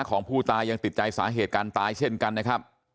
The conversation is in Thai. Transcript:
ของผู้ตายังติดใจสาเหตุการตายเช่นกันนะครับ